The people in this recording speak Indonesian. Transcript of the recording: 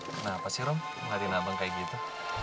kenapa sih rom ngeliatin abang kayak gitu